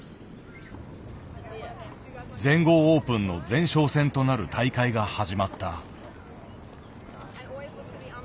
全豪オープンの前哨戦となる大会が始まった。